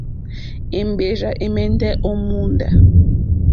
Èmbèrzà ɛ̀mɛ́ndɛ́ ó mòóndá.